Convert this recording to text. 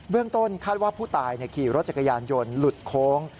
เรื่องต้นคาดว่าผู้ตายขี่รถจักรยานยนต์หลุดโค้ง